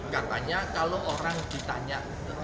katanya kalau orang ditanya